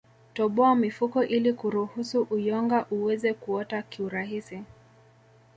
Toboa mifuko ili kuruhusu uyonga uweze kuota kiurahisi